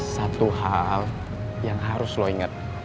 satu hal yang harus lo ingat